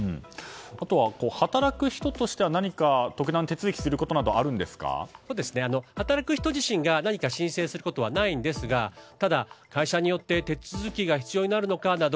あとは、働く人としては特段、手続きすることなどは働く人自身が何か申請することはないんですがただ会社によって手続きが必要になるのかなど